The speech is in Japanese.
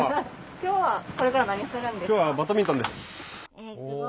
今日はこれから何するんですか？